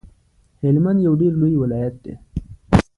هلمند یو ډیر لوی ولایت دی